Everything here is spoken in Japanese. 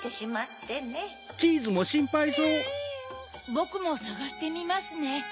ボクもさがしてみますね。